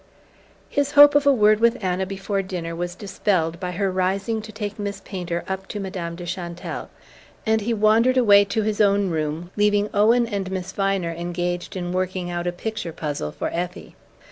His hope of a word with Anna before dinner was dispelled by her rising to take Miss Painter up to Madame de Chantelle; and he wandered away to his own room, leaving Owen and Miss Viner engaged in working out a picture puzzle for Effie.